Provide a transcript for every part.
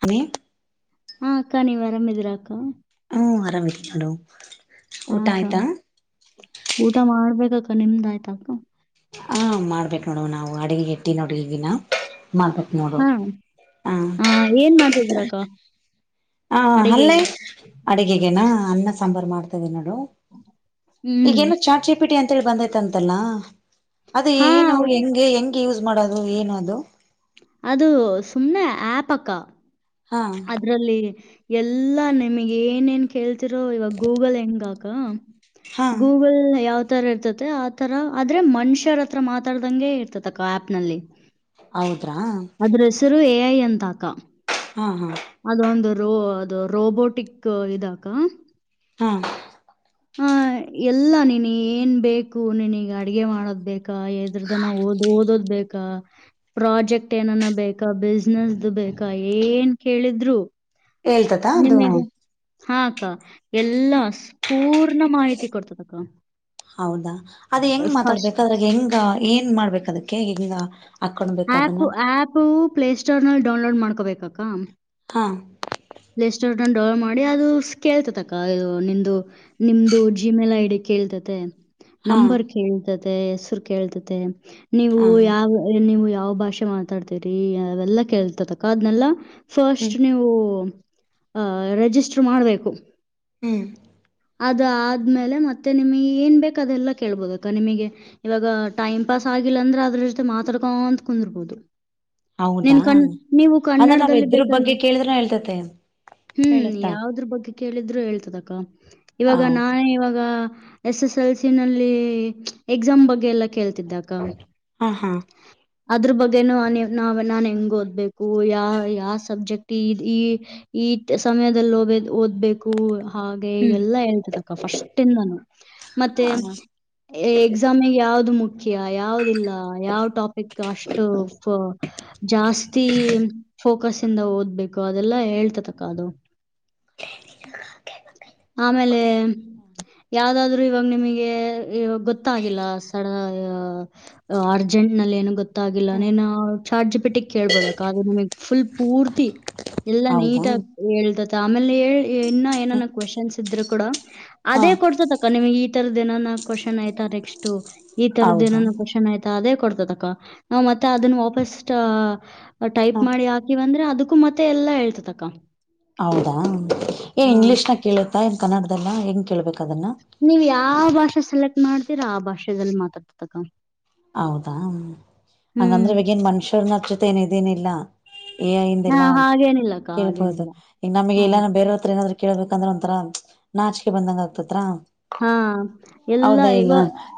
ಪ್ರೀತ್ ನೀವೆನ್ ದಿನ ಹಾಕು ಹ ಆರಾಮತಾನ ಹಾಕ ಊಟ ಮಾಡ್ಬೇಕಕ್ಕ ನಿಮ್ದ್ ಆಯ್ತಾಕ ಹಾ ಮಾಡ್ಬೇಕೇ ನೋಡುವ ನಾವು ಅಡಗೆ ಎಟ್ಟಿ ನೋಡ್ರಿ ಈಗಿನ ಹಾ ಹ ಏನ್ ಮಾಡ್ತಿದಿರ ಅಕ್ಕ ಹ ಅಲ್ಲೆ ಅಡುಗೆಗೆನಾ ಅನ್ನ ಸಾಂಬಾರ್ ಮಾಡ್ತಿದ್ದೇನೆ ಹ್ಮ್ ಈಗೇನು ಚಾಚಿ ಪಿಟಿ ಅಂತ ಹೇಳಿ ಬಂದೈತ ಅಂತಲ್ಲ ಅದ ಹಾ ಏನು ಅವ್- ಹೆಂಗೆ ಹೆಂ ಯೂಸ್ ಮಾಡೋದು ಏನ ಅದು ಅದು ಸುಮ್ಮ ಆಪಕ್ಕಾ ಹಾ ಅದ್ರಲ್ಲಿ ಎಲ್ಲಾ ನಿಮಗ್ ಏನೇನ್ ಕೇಳ್ತ ಇರೋ ಇವಾಗ ಗೂಗಲ್ ಹೆಂಗ ಕ ಹಾ ಗೂಗಲ್ ಯಾವದು ರ ಇರ್ತತೆ ಆತರ ಆದ್ರೆ ಮನುಷ್ಯರ ಹತ್ರ ಮಾತಾಡ್ದಂಗೆ ಇರ್ತತಿಕ್ಕ ಆಪ್ ನಲ್ಲಿ ಹೌದ್ರಾ ಹೇ ಎಂದಕ ಹ್ಮ ಹ್ಮ ಅದೊಂದು ರೋ ಅದು ರೋಬೋಟಿಕ್ ಇದಾಕ ಹ್ಮ್ ಹ ಎಲ್ಲಾ ನೀನ್ ಏನ್ ಬೇಕು ನೀನ್ಗ ಅಡ್ಗೆ ಮಾಡೋದ್ ಬೇಕಾ ಎದ್ರದನ ಓದ ಓದೋದ್ ಬೇಕಾ ಪ್ರಾಜೆಕ್ಟ್ ಏನನ್ನ ಬೇಕಾ ಬಿಸ್ನೆಸ್ ಬೇಕಾ ಏನ್ ಕೇಳಿದ್ರು ಹೇಳ್ತತಾ ಅದು ನಿಮಗೆ ಹಾ ಅಕ್ಕ ಎಲ್ಲಾ ಪೂರ್ಣ ಮಾಹಿತಿ ಕೊಡ್ತದ ಅಕ್ಕ ಅದ ಹೆಂಗ್ ಮಾತಾಡ್ಬೇಕ ಅದ್ರಾಗ ಹೆಂಗ ಏನ್ ಮಾಡ್ಬೇಕ ಅದಕ್ಕೆ ಹೆಂಗ ಹಾಕೊಂಡ್ಬೇಕ ಆಪ್ ಅದನ್ನ ಆಪ್ ಪ್ಲ ಸ್ಟೋರ್ ನಲ್ಲಿ ಡೌನ್ಲೋಡ್ ರೆಕಾರ್ಡ ಮಾಡ್ಕೋಬೇಕಕ್ಕ ಹಾ ಪ್ಲೇ ಸ್ಟೋರ್ ಡೌನ್ಲೋಡ್ ಮಾಡಿ ಅದು ಕೇಳ್ತತ ಅಕ್ಕ ಇದು ನಿಮ್ದು ನಿಮ್ದು ಜಿಮೇಲ್ ಐಡಿ ಕೇಳ್ತತೆ ಹಾ ನಂಬರ್ ಕೇಳ್ತದೆ ಹೆಸರು ಕೇಳ್ತತೆ ನೀವು ಹ ಯಾವ ನೀವು ಯಾವ ಭಾಷೆ ಮಾತಾಡ್ತೀರಿ ಅವೆಲ್ಲಾ ಕೇಳ್ತತಕ್ಕ ಅದನೆಲ್ಲ ಹ್ಮ್ ಫಸ್ಟ್ ನೀವು ಆ ರಿಜಿಸ್ಟರ್ ಮಾಡ್ಬೇಕು ಹ್ಮ್ ಅದ ಆದ್ಮೇಲೆ ಮತ್ತೆ ನಿಮ್ ಏನ್ ಬೇಕ ಅದೆಲ್ಲಾ ಕೇಳ್ಬೋದ ಅಕ ನಿಮಗೆ ಇವಾಗ ಟೈಮ್ ಪಾಸ್ ಆಗಿಲ್ಲ ಅಂದ್ರೆ ಅದ್ರ ಜೊತೆ ಮಾತಾಡ್ಕೊ ಅಂತ ಕುಂದರರ್ಬೋದು ಹೌದಾ ನೀನ್ ಕನ್ ನೀವು ಅಂದ್ರೆ ನಾವ್ ಕನ್ನಡದಲ್ಲಿ ಇದ್ರ ಬಗ್ಗೆ ಬೇಕಂದ್ರೆ ಕೇಳಿದ್ರೆ ಹೇಳ್ತತೆ ಹ್ಮ್ ಹೇಳುತ್ತಾ ಯಾವದ್ರ ಬಗ್ಗೆ ಕೇಳಿದ್ರು ಹೇಳ್ತದಕ್ಕ ಇವಾಗ ಹೌದು ನಾನೇ ಇವಾಗ ಎಸ್ ಎಸ್ ಎಲ್ಸ ನಲ್ಲಿ ಎಕ್ಸಾಮ್ ಬಗ್ಗೆ ಎಲ್ಲ ಕೇಳ್ತಿದ್ದಕ್ಕ ಹಾ ಹಾ ಅದ್ರ ಬಗ್ಗೆನ ನಾನು ಹೆಂಗ್ ಓದ್ಬೇಕು ಯಾ ಯಾವ ಸಬ್ಜೆಕ್ಟ್ ಈ ಈ ಈ ಸಮಯದಲ್ಲಿ ಓದ್ಬೇಕು ಹ್ಮ್ ಲ್ಲ ಹೇತ ಫಸ್ ಮೆ ಹ ಎಕ್ಸಾಮ ಯ ಮು ಮುಖ್ಯ ಯಾವವುದಿಲ್ಲ ಯಾವ್ ಾಪಿಕ್ ಅಷ್ಟು ಜಾಸ್ತಿ ೋಕಸ್ ಿಂದ ಓದ್ಬೇಕು ಅದೆಲ್ಲಾ ಹೇಳ್ತತಕ್ಕ ಅದು [inaudible] ಆಮೇ ಾದ್ರೂ ಇವಾಗ ನಿಮಗೆಾಗ ಗೊತ್ತಾಗಿಲ್ಲ ಸಡ ಅರ್ಜೆಂಟ್ ನಲ್ಲಿ ಏನ ಗೊ ಗೊತ್ತಾಗಿಲ್ಲ ನೀನ್ ಚಾರ್ಜ್ ಪೆಟ್ಟಗ್ ಕೇಳ್ಬೋದ ಆದ್ರೆ ನಮಗ್ ಫುಲ್ ಪೂರ್ತಿ ಎಲ್ಲಾ ಹೌದಾ ನೀಟಗ ಹೇಳ್ತ ತಾಮ ಲ್ಲಿ ಇನ್ನ ಏನ ಕ್ವಶನ್ಸ್ ಇದ್ರು ಕೂಡ ಹಾ ಅದೇ ಕೊಡ್ಸೋ ತಕ್ಕ ನಿಮಗೆ ಈೀತರ ದಿನ ನ ಕ್ವ್ನ್ ಆಯತ ನೆಕ್ಸ್ಟ್ ಈ ತರದ ಹೌದಾ ಏನ ಕ್ವ್ನ್ ಆಯ್ತಾ ಮ ಅದೇ ಕೊಡ್ತದ ಅಕ್ಕ ನಾ್ ಮತ್ತೆ ಅದನ್ನ ವಾಪಸ್ ಟೈಪ್ ಹ ಮಾಡಿ ಹಾಕಿ ಬಂದ್ರೆ ಅದಕ್ ು ಮತ್ತೆ ಎಲ್ಲಾ ಹೇಳ್ತತಕ್ಕ ಹೌದಾ ಏ ಆ ಇಂಗ್ಲಿೀಷ್ ನ ಕೇಳ ನ್ ಕನ್ನಡದಲ್ಲ ಹೆಂಗ್ ಕೇಳ್ಬೇಕು ನೀವ್ ಯಾವ ಭಾಷೆ ಸೆಲೆಕ್ಟ್ ಮಾಡ್ತೀರಾ ಆ ಭಾಷೆದಲ್ಲಿ ಮಾತಾಡ್ತತಕ ಹೌದಾ ಹಂಗಂದ್ರೆ ಇಗೇನ್ ಮನುಷ್ಯ ನ ಜೊತೆ ಏನ ಇದೇನಿಲ್ಲ ಏ ಹಾ ಹಿಂದೆಲ್ಲಾ ಹಾಗೇನಿಲ್ಲಕ್ಕ ಕೇಳ್ಬಹುದು ಹಾಗೇನಿಲ್ಲ ಈಗ ಹ ನಮಗೆ ಎಲ್ಲ ಬೇರವತ್ರ ಏನಾದ್ ಕೇಳ್ಬೇಕಂದ್ರೆ ಒಂಥರಾ ನಾಚಿಕೆ ಬಂದಂಗ ಆಗ್ತತ್ರ ಹಾ ಎಲ್ಲ ಇವ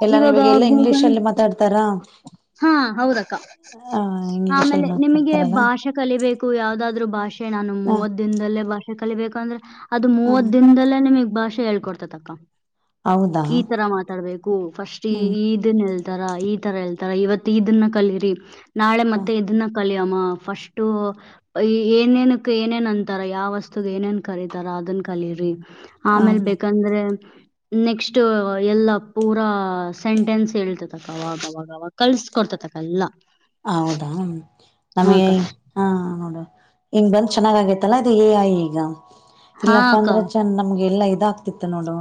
ಎಲ್ಲಾರು ಇವಾಗ ಎಲ್ಲಾ ಇಂಗ್ಲಿೀಷ್ ಗೂಗಲ್ ಅಲ್ಲಿ ಮಾತಾಡ್ತಾರ ಹಾ ಹೌದಕ್ಕ ಆ ಇಂಗ್ಲಿೀಷ್ ಅಲ್ಲಿ ಆಮೇಲೆ ನಿಮಗೆ ಮಾತಾಡ್ತಾರಲ್ಲ ಭಾಷೆ ಕಲಿಬೇಕು ಯಾವ್ದಾದ್ರು ಭಾಷೆ ನಾನು ಹ ಮೂವತ್ ದಿನದಲ್ಲೇ ಭಾಷೆ ಕಲಿಬೇಕು ಪಂದ್ರ ಅದು ಹ ಮೂವತ್ ದಿನದಲ್ಲೇ ನಿಮಗ್, ಭಾಷೆ ಹೇಳ್ಕೊಡ್ತ ದಅಕ್ಕ. ಹೌದಾ ಈ ತರ ಮಾತಾಡ್ಬೇಕು. ಫಸ್ಟ್ ಹ್ಮ್ ಈ ಇದನ್ಲ್, ತರ ಈ ತರ ಎಳ್ತಾರ ಇವತ್ತು ಇದನ್ನ ಕಲರಿ. ನಾಳೆ ಹ ಮತ್ತೆ ಇದನ್ನ [unintelligible] -ಕಲಿಯಮ್ಮ ಫಸ್ಟು ಏನೇನಕ್ ಏನೇನ್ ಅಂತಾರ. ಯಾವ ವಸ್ತುಗೆ ಏನೇನ್ ಕರತಾರ ಅದನ್ ಕಲೀರಿ, ಆಮೇಲ್ ಹ ಬೇಕಂದ್ರೆ, ನೆಕ್ಸ್ಟ್ ಎಲ್ಲ ಪೂರಾ ಸೆಂಟೆನ್ಸ್ ಹೇಳ್ತತಕವಾಗವಾಗಕಲ್ಸ್ಕೊಡ್ತತಕ್ಕಎಲ್ಲ. ಹೌದಾ, ನಮಗೆ ಹಾ ನೋಡು [unintelligible] ಇಂಗ್ ಬಂದ್ ಚೆನ್ನಾಗ್ ಆಗೇತ್ತಲ್ಲ ಅದು ಎಏ ಈಗ. ಹಾ ಇಲ್ಲಪ್ಪ ಅಕ್ಕ ಅಂದ್ರ ಚಂದ ನಮ್ಗೆ [unintelligible] ಎಲ್ಲಾ ಇದಾಗ್ತಿತ್ತು ನೋಡು.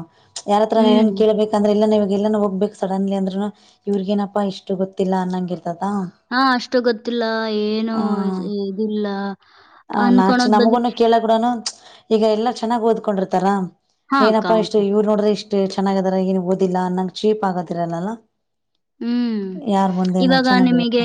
ಯಾರತ್ರಾನನ್ ಏನ್ ಹ್ಮ್ ಕೇಳಬೇಕಂದ್ರೆ ಇಲ್ಲ ನೀವು [unintelligible] ಎಲ್ಲಾನ ಹೋಗ್ಬೇಕು ಸಡನ್ಲಿ ಅಂದ್ರೂನು ಇವ್ರಗ ಏನಪ್ಪಾ ಇಷ್ಟು ಗೊತ್ತಿಲ್ಲ ಅನ್ನಂಗಿಲಾ. ಹಾ ಅಷ್ಟು ಗೊತ್ತಿಲ್ಲ ಏನು ಇದಿಲ್ಲ ಆ ನಾಚಿ ಅನ್ಕಳೋದ್ ನಮಗುನು ಬಂದಕ್ಕೆ., ಕೇಳಕೂಡನು ಈಗ ಎಲ್ಲಾ ಚೆನ್ನಾಗ್ ಓದ್ಕೊಂಡಿರ್ತಾರಾ., ಹಾ ಅಕ್ಕ ಹಾ ನೇನಪ್ಪಾ ಇಷ್ಟು ಅಕ್ಕ ಇವ್ರು ನೋಡ್ರೆ ಇಷ್ಟು [unintelligible] ಚೆನ್ನಾಗದಾರ ಏನಗ್ ಓದಿಲ್ಲ ಅನ್ನಂಗ ಚೀಪ್ ಆಗದಿರಲ್ಲಾ [unintelligible] ಹ್ಮ್, ಇವಾಗ ಚೆನ್ನಾಗಿರುತ್ತ ನಿಮಗೆ.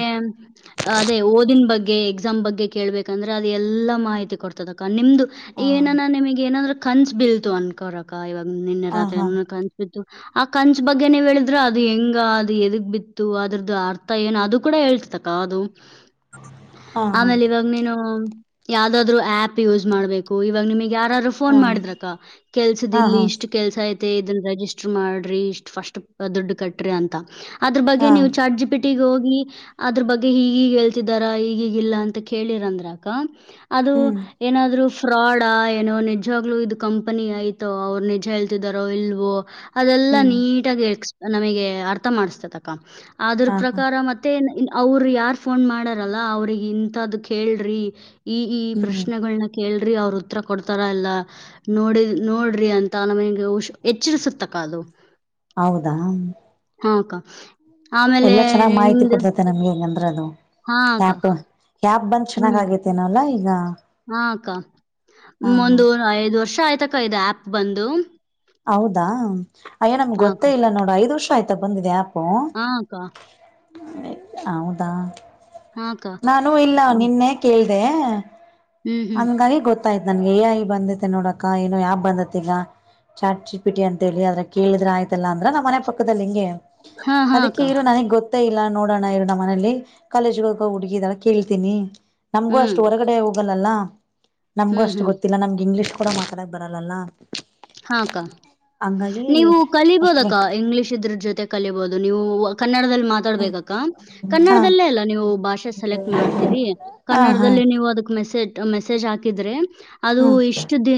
ಅದೇ ಓದ [unintelligible] -ಬಗ್ಗೆ ಎಕ್ಸಾಮ್ ಬಗ್ಗೆ ಕೇಳ್ಬೇಕಂದ್ರೆ ಅದು ಎಲ್ಲ ಮಾಹಿತಿ ಕೊಡ್ತದೆಅಕ್ಕ. ನಿಮ್ದು ಹ -ಏನಾನ ನಿಮಗೆ ಏನಾದ್ರ, ಕನ್ಸ್ ಬಿಲ್ತು ಅನ್ಕೋರಕ್ಕ ಇವಾಗ, ನಿನ್ನೆ ರಾತ್ರಿ ಹ ಅಲ್ಲ ಕನ್ಿಸ್ಬಿದ್ದು [unintelligible] ಆ ಕನ್ಸಬಗ್ಗೆ ನೀವ್ ಹೇಳಿದ್ರೆಅದು ಹೆಂಗ, ಅದು ಎದಕ್ ಬಿತ್ತು ಅದ್ರದ್ದ ಅರ್ಥ ಏನು ಅದು ಕೂಡ ಹೇಳ್ತಕ್ಕ ಅದು. ಹಾ ಹಾ ಆಮೇಲೆ ಇವಾಗ ನೀನು... ಯಾವ್ದಾದ್ರು ಆ್ಯಪ್ ಯೂಸ್ ಮಾಡ್ಬೇಕು. ಇವಾಗ ನಿಮಗ್ ಯ - [unintelligible] ಹಾ ಹಾ ಫೋನ್ ಮಾಡಿದಕ ಕೆಲ್ಸ ಹಾ ಇಲ್ಲಿ ಹಾ ಇಷ್ಟ ಕೆಲ್ಸ ಆಯ ಮತ್ತ ಇದನ್ನ ರಜಿಸ್ಟರ್ ಮಾಡ್ರಿ ಇಷ್ಟ ಫಸ್ಟ್ ದುಡ್ಡು ಕಟ್ಟ್ರಿ ಅಂತ. ಅದ್ರ ಬಗ್ಗೆ ಹಾ ನೀವು ಚಾರ್ಜಿ ಬಿಟ್ಟ [unintelligible] -ಟ್ಟಗ ಹೋಗಿ ಅದ್ರ ಬಗ್ಗೆ ಹೀಗೀಗ ಹೇಳ್ತಿದಾರ ಈಗಿಗ ಇಲ್ಲಾ ಅಂತ ಕೇಳಿರಂದ್ರಕ್ಕ. -ಅದು ಹ್ಮ್ ಏನಾದ್ರು.. ಫ್ರಾಡಾ ಏನೋ ನಿಜವಾಗ್ಲುೂ ಇದು ಕಂಪನಿ ಆಯ್ತೋ ಅವ್ರು ನಿಜ ಹೇಳ್ತಿದಾರೋ ಇಲ್ವೋ ಅದೆಲ್ಲಾ ಹ್ಮ್ ನೀಟಾಗಿ ಇರ್ಕ್ ನಮಗೆ ಅರ್ಥ ಅರ್ಥ ಮಾಡಿಸತತಕ ಅದರ ಹಾ ಹಾ ಪ್ರಕಾರ ಮತ್ತೆ ಎನ್ ಅವರು ಯಾರ್ ಫೋನ್ ಮಾಡಾರಲ್ಲ ಅವ್ರಿಗೆ ಇಂಥದ್ದ ಕೇಳ್ರಿ ಈ ಈ ಹ್ಮ್ ಹ್ಮ್ ಪ್ರಶ್ನೆಗಳನ್ನ ಕೇಳ ರಿ ಅವರು ಉತ್ತತ್ರರ ಕೊಡ್ತಾರ ಇಲ್ಲಾ ನೋಡಿ ನೋಡ್ರಿ ಅಂತ ನಮಗೆ ಹಷ್ ಎಚ್ಚಸತಕ್ಕ ಅದು ಹೌದಾ ಹಮ್ ಅಕ್ಕ ಆಮೇಲೆ ಎಲ್ಲಾ ಚೆನ್ನಾಗಿ ಮಾಹಿತಿ ನಿಮ್ದು ಕೊಟ್ಟಿರುತ್ತಾರೆ ನಮಗೆ ಹೆಂಗಂದ್ರ ಅದು ಹಾ ಅಕ್ಕಾ ಆ್ಯಪ್ ಆ್ಯಪ್ ಬಂದ್ ಚೆನ್ನಾಗ ಆಗೇತೆೇನಲ್ ಈಗ ಹ್ಮ್ಮ್ ಅಕ್ಕ ಹ ಹ ಒಂದು ಐದು ವರ್ಷ ಆಯ್ತಕ್ಕ ಇದೆ ಆ್ಯಪ್ ಬಂದು ಹೌದಾ ಅಯ್ಯ ನಮ್ಗ್ ಹಾ ಅಕ್ಕ ಗೊತ್ತೇ ಇಲ್ಲ ನೋಡ ಐದ್ ವರ್ಷ ಆಯ್ತಾ ಬಂದಿದೆ ಹಾ ಅಕ್ಕಾ ಅವುದಾ ಹಾ ಅಕ್ಕ ನಾನು ಇಲ್ಲ ಹ್ಮ್ ನಿನ್ನೆ ಕೇಳ್ತ ದೇ ಹ್ಮ್ ಹಂಗಾಗಿ ಗೊತ್ತ ಆಯ್ತ ನನ್ಗೆ ಐ ಬಂದೈತೆ ನೋಡಕ ಏೋ ಯಾಪ್ ಬಂದತ್ ಈಗ ಚಾಟ್ ಚಾಟ್ ಜಿಪಿಟಿ ಅಂತ ಹೇಳಿ ಅ್ರ ಕೇಳಿದ್ರೆ ಆಯ್ತು ಅಂದ್ರ ನಮ್ಮ್ ಮನೆ ಪಕ್ಕದಲ್ಲಿ ಹಿಂಗೆ ಹಾ ಹಾ ಅದಕ್ಕೆ ಅಕ್ಕ ಇ ನನಗ್ ಗೊತ್ತ ಗೊತ್ತ ಇಲ್ಲ ನೋಡೋಣ ಇರೋಣ್ಣ ಮನಲಿ ಕಾಲೇಜ್ಗಗ ಹುಡುಗಿದಳ ಕೇಳ್ತೀನಿ ನಮ್ಗೂ ಹ್ಮ್ ಅಷ್ಟ ಹೊರಗಡೆ ಹೋಗಲ್ಲ ಇತ್ತಲ್ಲ ನಮ್ಗೂ ಹ್ಮ್ ಅಷ್ಟು ಹ್ಮ್ ಗೊತ್ತಿಲ್ಲ ನಮಗೆ ಇಂಗ್ಲೀಷ್ ಕೂಡ ಮಾತಾಡಕ್ ಬರಲ್ಲಲ್ಲ ಹಾಕ್ಕ ಹಂಗಾಗಿ ನೀವು ಅಷ್ಟು ಕಲಿಬೋದಕ್ಕ ಇಂಗ್ಲಿೀಷ್ ಇದ್ರ ಜೊತೆ ಕಲಿಬೋದ ನೀವು ಕನ್ನಡದಲ್ಲಿ ಮಾತಾಡ್ಬೇಕ ಹಾ ಕನ್ನಡದಲ್ಲೇ ಅಲ್ಲ ನೀವು ಭಾಷೆ ಸೆಲೆಕ್ಟ್ ಮಾಡ್ತೀರಿ ಹಾ ಹಾ ಕನ್ನಡದಲ್ಲಿ ನೀವು ಅದ ಮೆಸೇಜ್ ಮೆಸೇಜ್ ಹಾಕಿದರೆ ಅದು ಹ್ಮ್ ಇಷ್ಟು ದ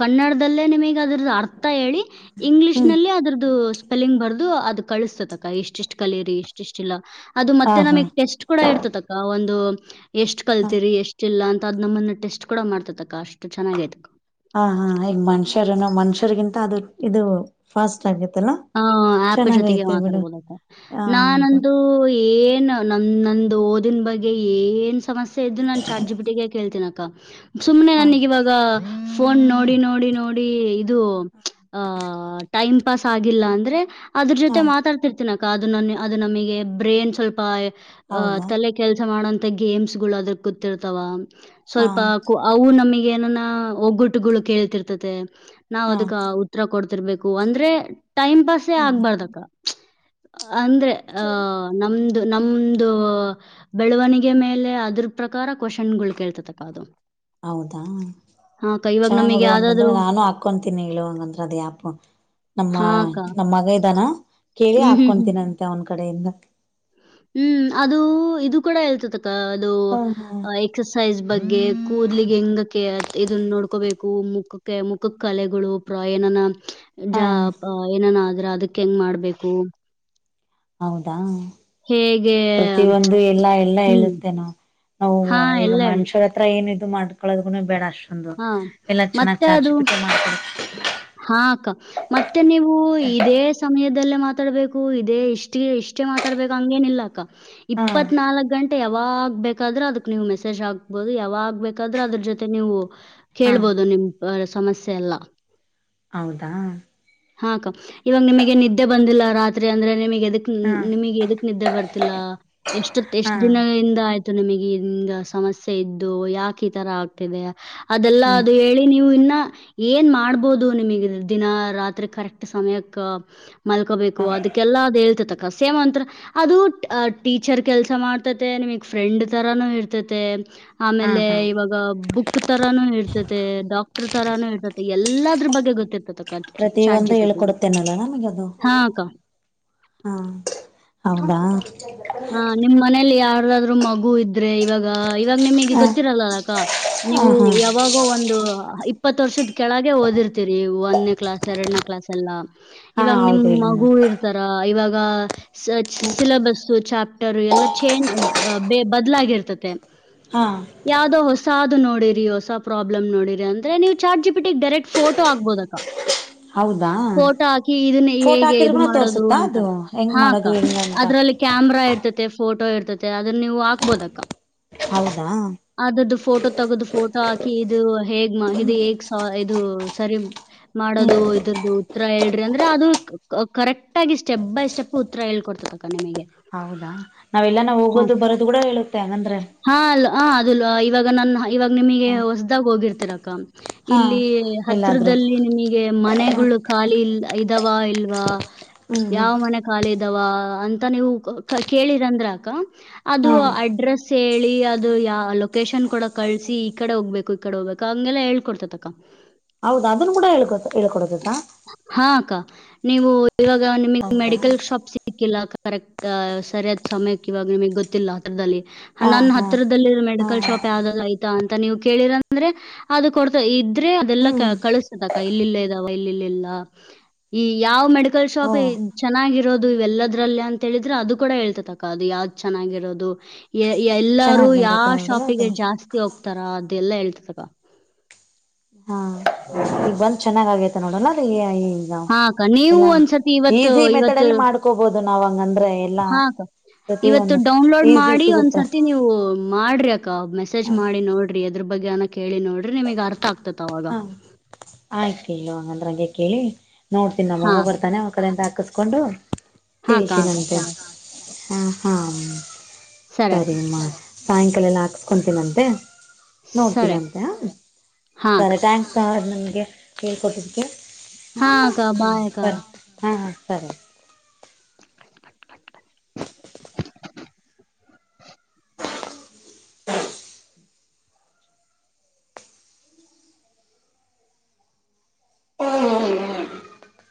ಕನ್ನಡದಲ್ಲೇ ನಿಮಗೆ ಅದ್ರದ್ದ ಅರ್ಥ ಹೇಳಿ ಇಂಗ್ಲಿೀಷ್ ಹ್ಮ್ ನಲ್ಲಿ ಅದ್ರದ್ದ ಪಲಿಂಗ್ ಬರ್ದು ಅದು್ ಕಳಿಸತಕ್ಕ ಎಷ್ಟಿಷ್ಟ್ ಕಲಿಯರಿ ಎಷ್ಟಿಷ್ಟ ಇಲ್ಲ ಅದು ಹಾ ಮತ್ತೆ ಹಾ ನಮಗ್ ಟೆಸ್ಟ್ ಕೂಡ ಇರ್ತತಕ್ಕ ಒಂದು [inaudible] ಎಷ್ಟ್ ಹಾ ಕಲ್ತರಿ ಎಷ್ಟ ಇಲ್ಲ ಅಂತ ಅದ್ ನಮ್ಮನ್ನ ಟೆಸ್ಟ್ ಕೂಡ ಮಾಡ್ತಕ್ಕ ಅಷ್ಟು ಚೆನ್ನಾಗೈಐತಕ್ ಹ ಹಾ ಈಗ ಮನುಷ್ಯರನ ಮನುಷ್ಯರಿಗಿಂತ ಅದು ಇದು ಫಾಸ್ಟ್ ಆಗಿತ್ತು ಹ ಆಪ್ ಜೊತೆಗೆ ಮಾತಾಡ್ಬೋದ್ ಹ ಅದೇ ನಾನಂದು ಏನ್ ನ ನಂದು ಓದ ಇದನ್ ಬಗ್ಗೆ ಏನ್ ಸಮಸ್ಯೆ ಇದ್ದ ನಾ ಚಾರ್ಜಿಪಟಿಗೆ ಕೇಳ್ತೀನ [inaudible] ಸುಮ್ನೆ ಹ ನನಗ ಇವಾಗ ಫೋನ್ ನೋಡಿ ನೋಡಿ ನೋಡಿ ಇದು ಅ ಟೈಮ್ ಪಾಸ್ ಆಾಗಿಲ್ಲ ಅಂದ್ರೆ ಅದ್ರ ಹ ಜೊತೆ ಮಾತಾತಿರ್ತೀನಾ ಅದು ನನ್ನ ಅದು ನಮಗೆ ಬ್ರೇನ್ ಸ್ವಲ್ಪ ಅ ಹೌದಾ ತಲೆ ಕೆಲ್ಸ ಮಾಡೋಂತ ಮ ಗೇಮ್ಸ್ ಗಳು ಅದ್ರ ಕೂತಿರ್ತಾವ ಹಾ ಸ್ವಲ್ಪಕ ಅವು ನಮಗ್ ಏನ ಒಗ್ಗುಟ್ಟುಗಳು ಕೇೇಳತಿರ್ತತೆ ನಾವ್ ಹಾ ಅದಕ್ ಉತ್ತರ ಕೊಡ್ ಇರ್ಬೇಕು ಅಂದ್ರೆ ಟೈಮ್ ಪಾಸೇ ಹ್ಮ್ ಆಗ್ಬಾರ್ದಕ್ಕ ಅಂದ್ರೆ ಅಹ ನಮ್ದ ನಮ್ದ ಬೆಳವಣಿಗೆ ಮೇಲೆ ಅದ್ರ ಪ್ರಕಾರ ಕ್ವಶನ್ ಕೇಳ್ತತಕ್ಕ ಅದು ಹೌದಾ ಹಾ ಅಕ್ಕ ಇವಾಗ ಚೆನ್ನಾಗ್ ನಮಗೆ ನಡುುವ ಹಂಗಂದ್ರ ಯಾವ್ದಾದ್ರು ನಾನು ಹಾಕೊತೀನಿ ಇ ಹಂಗಂದ್ರ ಅದ ಯಾಪು ನಮ್ಮ ಹಾ ಅಕ್ಕ ನಮ್ಮ ಮಗ ಇದಾನ ಕೇಳಿ ಹ್ಮ್ ಹ್ಮ್ ಹ್ಮ್ ಹಾಕೊತೀನಿಂತೆ ಅವ ಕಡೆೆಯಿಂದ ಹ್ಮ್ ಅದು ಇದು ಕೂಡ ಹೇಳ್ತ ಅದು ಹ ಹಾ ಎಕ್ಸಸೈಸ್ ಬಗ್ಗೆ ಕೂದಲಿ ಹೆಂಗಕ್ಕೆ ಇದನ್ನು ನೋಡ್ಕೋಬೇಕು ಮುಖಕ್ಕೆ ಮುಖ ಕಲೆಗಳು ಪ್ರಯಾಣನ ಹಾ ಜಾ ಅ ಏನ ನ ಅ್ರೆ ಅದಕ್ಕೆ ಹೆಂಗ್ ಮಾಡ್ಬೇಕು ಹೌದಾ ಹೇಗೆ ಪ್ರತಿಯೊಂದ್ ಎಲ್ಲಾ ಎಲ್ಲ ಹ್ಮ್ ಹೇಳುತ್ತೆ ನೊ ನಾವು ಹಾ ಈಗ ಎಲ್ಲ ಹೇಳ್ ಮನುಷ್ಯರ ಹತ್ರ ಏನ್ ಇದು ಮಾಡ್ಕೊಳ್ಳೋದೂ ಬೇಡಷ್ಟ ಹಾ ಎಲ್ಲಾ ಚೆನ್ನಾಗ್ ಮತ್ತೆ ಚಾರ್ಜಿ ಅದು ಪಿಟ ಮಾಡ್ಕ ಮತ್ ಮತ್ತೆ ನೀವು ಇದೇ ಸಮಯದ ಲ್ಲೇ ಮಾತಾಡ್ಬೇಕು ಇದೇ ಇಷ್ಟ ಇಷ್ಟೇ ಮಾತಾಡ್ಬೇಕು ಹಂಗೇನ ಇಿಲ್ಲ ಅಕ್ಕ ಹಾ ಇಪ್ಪತ್ನಾಾಲ್ಕಕ್ ಗಂಟೆ ಯಾವಾಗ್ ಬೇಕಾದ್ರೆ ಅದಕ್ ನೀವು ಮೆಸೇಜ್ ಆಾಕ್ಬಹುದು ಯಾವಾಗ್ ಬೇಕಾದ್ರೆ ಅದ್ರ ಜೊತೆ ನೀವು ಹಾ ಕೇಳ್ಬೋದು ನಿಮ್ ಆ ಸಮಸ್ಯೆ ಅಲ್ಲ ಹೌದಾ ಹಾಕ ಇವಾಗ ನಿಮಗೆ ನಿದ್ದೆ ಬಂದಿಲ್ಲ ರಾತ್ರಿ ಅಂದ್ರೆ ನಿಮಗೆ ಹಾ ನಿಮಗೆ ಎಕ್ಕೆ ನಿದ್ದೆ ಬರ್ತ [inaudible] ಎಷ್ಟ ಹಾ ಎಷ್ಟ್ ದಿನಗಳಿಂದ ಆಯ್ತು ನಿಮಗೆ ಹಂಗ ಸಮಸ್ಯೆ ಇದ್ದು ಯಾಕೆ ಈ ತರ ಆಗ್ತಿದೆ ಅದೆಲ್ಲಾ ಹ್ಮ್ ಅದು ಹೇಳಿ ನೀವು ಇನ್ನ ಏನ್ ಮಾಡ್ಬೋದು ನಿಮಗೆ ದಿನ ರಾತ್ರಿ ಅ ಕರೆಕ್ಟ್ ಸಮಯಕ್ಕಾ ಹ ಮಲ್ಕೋಬೇಕು ಅದಕ್ಕೆಲ್ಲ ಅದು ಹೇಳ್ತ ಕಸೇಮ ಅಂಂತರ ಅದು ಟೀಚರ್ ಕೆಲ್ಸ ಮಾಡ್ತತೆ ನಿಮಗ್ ಫ್ರೆಂಡ್ ತರಾನು ಇರ್ತತೆ ಹಾ ಆಮೇಲೆ ಹಾ ಇವಾಗ ಬುಕ್ ತರಾನೂ ಹೇಳ್ತತೆ ಡಾಕ್ಟರ್ ತರಾನು ಹೇರ್ತತಿ ಎಲ್ಲದ್ರ ಬಗ್ಗೆ ಗೊತ್ತಿರ್ತತ ಕ ಪ್ರತಿಯ ಒಂದು ಹೇಳ್ಕೊಡುತ್ತೇನಲ್ಲ ನಮಗದು ಹಾ ಅಕ್ಕ ಹೌದಾ ಹಾ ನಿಮ್ ಮನೇಲಿ ಯಾವ ಯಾದ್ರರು ಮಗು ಇದ್ರೆ ಇವಾಗ ಇವಾಗ ನಿಮಗೆ ಹ ಗೊತ್ತಿರಲ್ಲಲ್ಲಕ್ಕ ನೀವು ಹ ಹಾ ಯಾವಾಗೋ ಒಂದು ಇಪ್ಪತ್ತು ವರ್ಷದ ಕೆಳಗೆ ಓದಿರ್ತಿೀರಿ ಒಂದನೇ ಕ್ಲಾಸ್ ಎರಡನೇ ಕ್ಲಾಸ್ ಎಲ್ಲ ಹಾ ಇವಾಗ ನಿಮ್ ಹೌದು ಹೇಳಮ್ಮ ಮಗು ಇರ್ತಾರ ಇವಾಗ ಸಿಲಬಸ್ ಚಾಪ್ಟರ್ ಎಲ್ಲ ಚೇಂಜ್ ಬದ್ಲಾಗಿರ್ತತೆ ಹಾ ಯಾವ್ದೋ ಹೊಸ ಹೊಸ ಅದು ನೋಡಿರಿ ಹೊಸ ಪ್ರಾಬ್ಲಮ್ ನೋಡಿರಿ ಅಂದ್ರೆ ನೀವು ಚಾರ್ಜಿ ಬಿಟ್ಟಿಗೆ ಡೈರೆಕ್ಟ್ ಫೋಟೋ ಆಗ್ಬೋದಕ್ಕಾ ಹೌದಾ ಫೋಟೋ ಹಾಕಿ ಇದನ್ನ ಫೋಟೋ ಹೇಗೆ ಇದು ಹಾಕಿದ್ರಗುನು ಮಾಡದ್ರು ತೋರ್ಸುತ್ತಾ ಅಂತ ಅದು ಹೆಂಗ್ ಹಾಕ್ಕ ಮಾಡೋದು ಹೆಂಗ ಅಂತ ಅದ್ರಲ್ಲಿ ಕ್ಯಾಮ್ರಾ ಇರ್ತತೆ ಫೋಟೋ ಇರ್ತತೆ ಅದನ್ನ ನೀವು ಹಾಕ್ಬೋದಕ್ಕ ಹೌದಾ ಅದದ್ದು ಫೋಟೋ ತಗೋದು ಫೋಟೋ ಹಾಕಿ ಇದು ಹೇಗ್ ಇದು ಹೇಗ್ ಇದು ಸರಿ ಹ್ಮ್ ಮಾಡೋದು ಇದ್ರದು ಉತ್ತರ ಹೇಳ್ರಿ ಅಂದ್ರೆ ಅದು ಕರೆಕ್ಟ್ ಆಗಿ ಸ್ಟೆಪ್ ಬೈ ಸ್ಟೆಪ್ ಉತ್ತರ ಹೇಳ್ಕೊಡ್ತತಕ್ಕ ನಿಮಗೆ ಹೌದಾ ನಾವೆಲ್ಲಾನ ಹಾ ಹೋಗೋದು ಬರೋದು ಕೂಡ ಹೇಳುತ್ತೆ ಹಂಗಂದ್ರೆ ಹ ಅದು ಇವಾಗ ನಾ ಇವಾಗ ನಿಮಗೆ ಹ ಹೊಸ್ದಾಗ ಹೋಗಿರ್ತಿರಕ್ಕ ಹಾ ಇಲ್ಲಿ ಎಲ್ಲಾದ್ರೂ ಹತ್ರಿರದಲ್ಲಿ ನಿಮಗೆ ಹ್ಮ ಮನೆಗಳು ಖಾಲಿ ಇಲ್ಲ ಇದಾವ ಇಲ್ವಾ ಹ್ಮ್ ಹ್ಮ್ ಯಾವ ಮನೆ ಖಾಲಿ ಇದ್ದಾವ ಅಂತ ನೀವು ಕೇಳಿರಂದ್ರಕ್ಕ ಅದು ಹಾ ಅಡ್ರೆಸ್ ಸಿ ಅದು ಯಾ ಲೊಕೇಶನ್ ಕೂಡ ಕಳ್ಸಿ ಈ ಕಡೆ ಹೋಗ್ಬೇಕು ಈ ಕಡೆ ಹೋಗ್ಬೇಕು ಹಂಗೆಲ್ಲಾ ಹೇಳ್ಕೊಡ್ತದತಕ್ಕ ಹೌದ ಅದನ್ನು ಕೂಡ ಹೇಳ್ಕೊತ ಹೇಳಳಕೂಡದದಾ ಹಾ ಅಕ್ಕ ನೀವು ಇವಾಗ ನಿಮಗ್ ಮೆಡಿಕಲ್ ಶಾಪ್ ಸಿ ಸಿಕ್ಕಿಲ್ಲ ಕರೆಕ್ಟ್ ಸರಿಯಾದ್ ಸಮಯಕ್ಕೆ ಇವಾಗ ನಿಮಗ್ ಗೊತ್ತಿಲ್ಲ ಹತ್ರದಲ್ಲಿ ಹಾ ನನ್ ಹಾ ಹತ್ತತ್ರದಲ್ಲಿ ಹಾ ಮೆಡಿಕಲ್ ಶಾಪ್ ಯಾವ್ದ ಆಯ್ತ ಅಂತ ನೀವು ಕೇಳಿರಂದ್ರೆ ಅದು ಕೊಡ್ತ ಇದ್ರೆ ಅದೆಲ್ಲ ಹ್ಮ್ ಕಳಸತದಕ ಇಲ್ಲಿ ಾವ ಇಲ್ಲಿಲ್ಲಿಲ್ಲ ಈ ಯಾವ್ ಮೆಡಿಕಲ್ ಓ ಶಾಪ್ ಚೆನ್ನಾಗಿರೋದು ಇವೆಲ್ಲದ್ರಲ್ಲಿ ಅಂತ ಹೇಳಿದ್ರೆ ಅದು ಕೂಡ ಹೇಳ್ತತಕ್ಕ ಅದು ಯಾವ್ದ್ ಚೆನ್ನಾಗಿರೋದು ಎಲ್ಲಾರೂ ಚೆನ್ನಾಗ್ ಯಾವ ಬಂದೈತೆ ನೋಡ್ರ ಅದು ಶಾಪಿಗೆ ಜಾಸ್ತಿ ಹೋಗ್ತಾರಾ ಅ ಅ ಎಲ್ಲಾ ಹೇಳ್ತತಗ ಹಾ ಈಗ ಬಂದ್ ಚೆನ್ನಾಗ್ ಆಗೇತೆ ನೋಡೋಣ ಅದ ಹಾಕ್ಕ ನೀವು ಒಂದ್ಸತಿ ಇವತ್ತು ಮೆಥಡ್ ಇವತ್ತು ಅಲ್ಲಿ [inaudible] ಎಲ್ಲಾ ಹಾಕ್ಕ ಪ್ರತಿ ಇವತ್ತು ಒಂದು ಡೌನ್ಲೋಡ್ ಈಸಿ ಮಾಡಿ ಸಿಗುತ್ತೆ ಒಂದ್ಸರ್ತಿ ನೀವು ಮಾಡ್ರಿ ಅಕ್ಕ ಮೆಸೇಜ್ ಹ ಮಾಡಿ ನೋಡ್ರಿ ಅದ್ರ ಬಗ್ಗೆ ಅನಕ್ ಕೇಳಿ ನೋಡ್ರಿಮಗ್ ಅರ್ಥ ಆಗ್ತದೆ ಹಾ ಆಯ್ತುಲ್ಲೋ ಅ ನಗೆ ಕೇಳಿ ನೋಡ್ತೀನಿ ನನ್ ಹಾ ಮಗ ಬರ್ತಾನೆ ಅವಗ ಕರೆನ್ಸ್ ಹಾಕ್ಸ್ ಕಸ್ಕೊಂಡು ಹಾ ಅಕ್ಕ ಅಕ್ಕ ಕೇಳ್ತೀನಂತೆ ಸರಿ ಅಕ್ಕ, ಹ ಹಾ ಸರಿ ಅಕ್ಕ ಸರಿಮ್ಮ ಸಾಯಂಕಾಲ ಎಲ್ಲಾ ಹಾಕ್ಸ್ಕೊಂತೀನಂತೆ ನೋಡ್ತೀನ ಸರಿ ಅಕ್ಕ ಅಂತೆ ಹಾ ಅಕ್ಕ ಸರಿ ಥ್ಯಾಂಕ್ಸ್ ನ ನಗೆ ಹೇಳ್ಕೊಟ್ಟಿದ್ದಕ್ಕೆ ಹಾ ಅಮ್ಮ ಅಕ್ಕ ಬಾಯ್ ಅಕ್ಕ ಸರಿ ಹಾ ಹಾ ಸರೆ ಚು ಚು ಹ್ಮ ಹ ಹ